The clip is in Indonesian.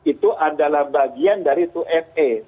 itu adalah bagian dari dua fa